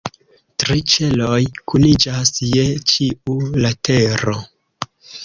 Tri ĉeloj kuniĝas je ĉiu latero.